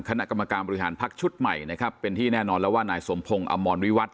คณะกรรมการบริหารพักชุดใหม่นะครับเป็นที่แน่นอนแล้วว่านายสมพงศ์อมรวิวัตร